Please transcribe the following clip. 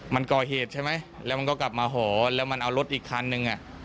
มันก่อเหตุใช่ไหมแล้วมันก็กลับมาหอแล้วมันเอารถอีกคันนึงอ่ะ